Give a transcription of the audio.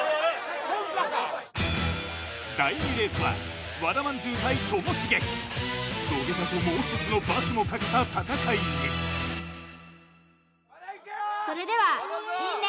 コンパか第２レースは和田まんじゅう対ともしげ土下座ともう一つの罰もかけた戦いにそれでは因縁！